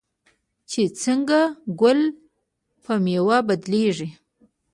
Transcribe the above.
چې څنګه ګل په میوه بدلیږي.